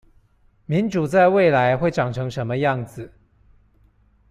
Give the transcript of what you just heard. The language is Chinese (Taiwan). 民主在未來會長成什麼樣子？